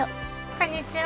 こんにちは。